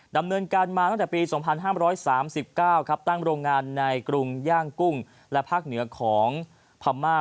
ดำเนินการมาตั้งแต่ปี๒๕๓๙ตั้งโรงงานในกรุงย่างกุ้งและภาคเหนือของพม่า